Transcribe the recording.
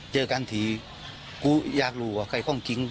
เจอกันทีกูอยากรู้ว่าใครคล่องกิ้ง